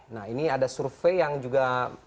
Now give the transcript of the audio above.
nah ini ada survei yang juga